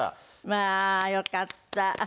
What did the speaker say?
まあよかった。